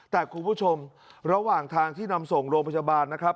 แต่คุณผู้ชมระหว่างทางที่นำส่งโรงพยาบาลนะครับ